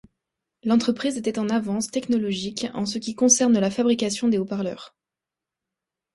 L'entreprise était en avance technologique en ce qui concerne la fabrication des haut-parleurs.